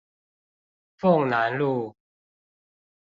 鳳楠路